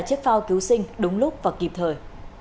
chiếc phao cứu sinh đúng lúc và kịp thời